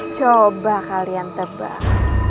coba kalian tebak